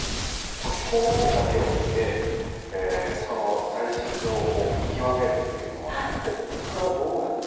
この表面だけを見てその材質を見極めるというのは一体それはどうやって？